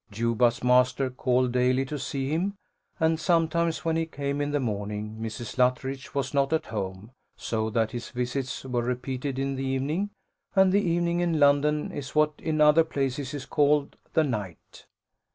Juba's master called daily to see him, and sometimes when he came in the morning Mrs. Luttridge was not at home, so that his visits were repeated in the evening; and the evening in London is what in other places is called the night.